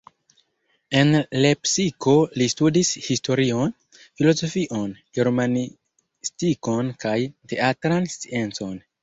En Lepsiko li studis historion, filozofion, germanistikon kaj teatran sciencon.